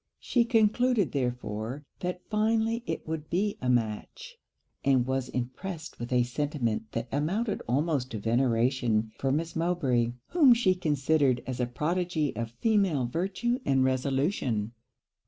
She concluded therefore that finally it would be a match; and was impressed with a sentiment that amounted almost to veneration for Miss Mowbray, whom she considered as a prodigy of female virtue and resolution.